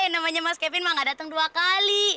namanya mas kevin mah gak datang dua kali